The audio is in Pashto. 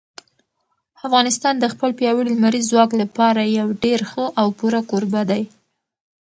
افغانستان د خپل پیاوړي لمریز ځواک لپاره یو ډېر ښه او پوره کوربه دی.